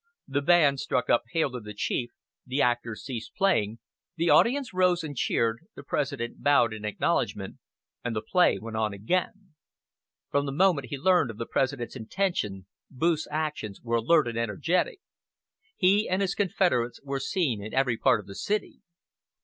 The band struck up "Hail to the Chief," the actors ceased playing, the audience rose and cheered, the President bowed in acknowledgment, and the play went on again. From the moment he learned of the President's intention Booth's actions were alert and energetic. He and his confederates were seen in every part of the city.